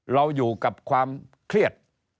เราอยู่กับความเครียด